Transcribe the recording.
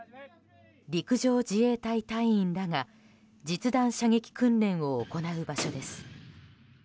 陸上自衛隊隊員らが実弾射撃訓練を行う場所です。